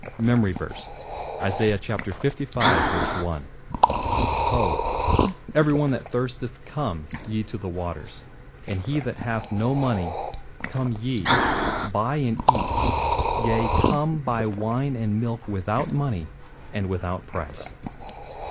MEMORY VERSE, Isaiah 55: 1 "Ho, every one that thirsteth, come ye to the waters, and he that hath no money; come ye, buy, and eat; yea, come, buy wine and milk without money and without price."